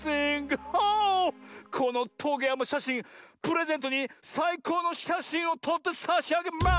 このトゲやまシャシンプレゼントにさいこうのしゃしんをとってさしあげます！